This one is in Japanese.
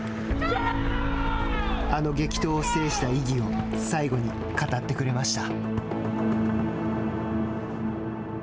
あの激闘を制した意義を最後に語ってくれました。